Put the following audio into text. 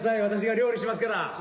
私が料理しますから。